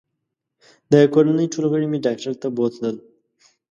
د کورنۍ ټول غړي مې ډاکټر ته بوتلل